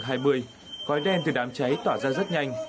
khói đen từ đám cháy tỏa ra rất nhanh